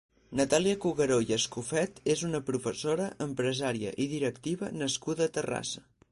Natàlia Cugueró i Escofet és una professora, empresària i directiva nascuda a Terrassa.